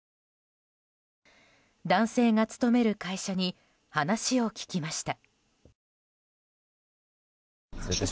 男性が勤める会社に話を聞きました。